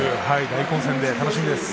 大混戦で楽しみです。